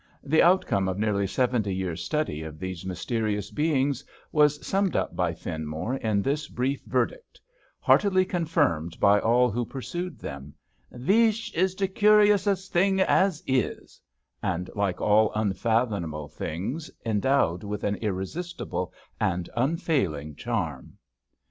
The outcome of nearly seventy years' study of these mysterious beings was summed up by Finmore in this brief verdict, heartily confirmed by all who pursued them: "Veesh is the curiousest things as is" — and, like all unfathomable things, endowed with an irresistible and unfailing charm.